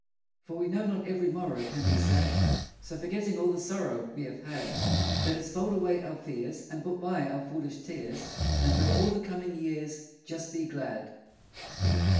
For, we know, not every morrow Can be sad; So, forgetting all the sorrow We have had, Let us fold away our fears, And put by our foolish tears, And through all the coming years Just be glad.